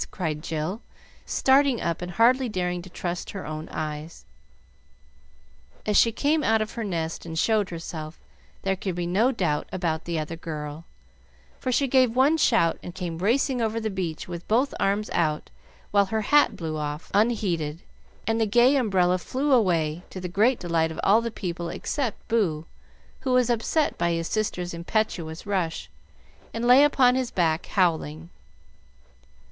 cried Jill, starting up and hardly daring to trust her own eyes. As she came out of her nest and showed herself, there could be no doubt about the other girl, for she gave one shout and came racing over the beach with both arms out, while her hat blew off unheeded, and the gay umbrella flew away, to the great delight of all the little people except Boo, who was upset by his sister's impetuous rush, and lay upon his back howling.